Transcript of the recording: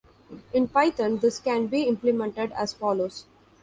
In Python, this can be implemented as follows.